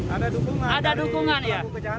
ada dukungan dari pelaku kejahatan